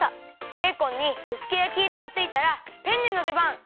ベーコンにうすくやきいろがついたらペンネのでばん！